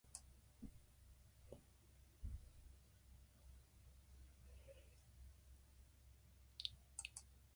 ただ、僕は何かを忘れている気がした